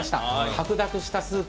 白濁したスープ。